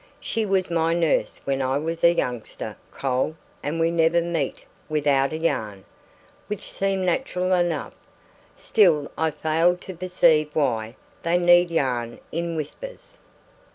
She was my nurse when I was a youngster, Cole, and we never meet without a yarn." Which seemed natural enough; still I failed to perceive why they need yarn in whispers.